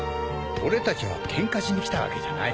俺たちはケンカしに来たわけじゃない。